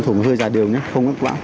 thủng hơi dài đều nhé không ngất lãng